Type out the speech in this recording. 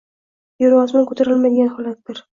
yer-u osmon ko‘tarolmaydigan holatdir.